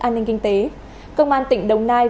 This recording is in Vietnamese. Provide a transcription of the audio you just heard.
an ninh kinh tế công an tỉnh đồng nai